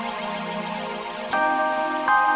yaudah aku tidur dulu ya